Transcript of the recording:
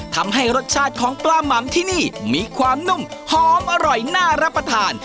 ทำให้รสชาติของปลาหม่ำที่นี่มีความนุ่มหอมอร่อยน่ารับประทาน